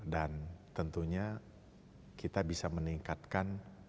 dan tentunya kita bisa meningkatkan